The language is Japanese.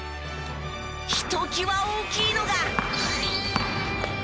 ひときわ大きいのが。